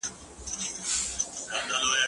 زه به سبا سبزیجات وچوم وم؟